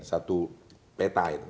satu peta itu